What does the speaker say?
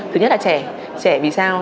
thứ nhất là trẻ trẻ vì sao